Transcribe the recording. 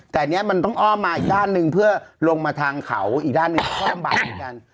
แต่อันนี้มันต้องอ้อมมาอีกด้านหนึ่งเพื่อลงมาทางเขาอีกด้านหนึ่งอ้อมบาดเหมือนกัน